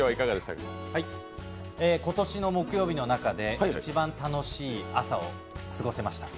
今年の木曜日の中で一番楽しい朝を過ごせました。